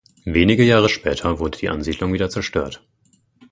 Wenige Jahre später wurde die Ansiedlung wieder zerstört.